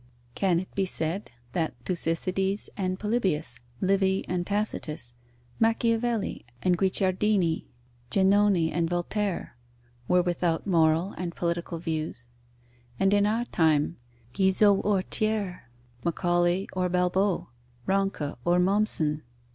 Can it be said that Thucydides and Polybius, Livy and Tacitus, Machiavelli and Guicciardini, Giannone and Voltaire, were without moral and political views; and, in our time, Guizot or Thiers, Macaulay or Balbo, Ranke or Mommsen?